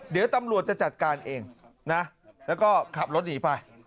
เดี๋ยวตำรวจจะจัดการเองนะแล้วก็ขับรถหนีไป